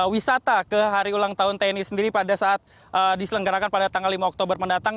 wisata ke hari ulang tahun tni sendiri pada saat diselenggarakan pada tanggal lima oktober mendatang